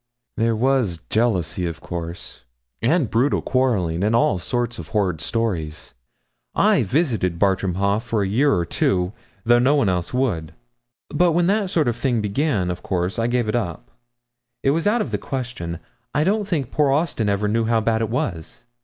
There was jealousy, of course, and brutal quarrelling, and all sorts of horrid stories. I visited at Bartram Haugh for a year or two, though no one else would. But when that sort of thing began, of course I gave it up; it was out of the question. I don't think poor Austin ever knew how bad it was.